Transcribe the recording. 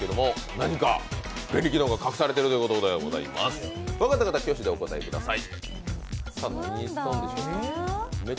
分かった方は挙手でお答えください。